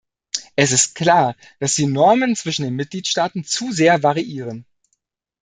Es ist klar, dass die Normen zwischen den Mitgliedstaaten zu sehr variieren.